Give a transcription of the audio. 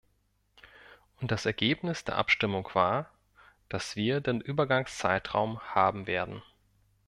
Und das Ergebnis der Abstimmung war, dass wir den Übergangszeitraum haben werden.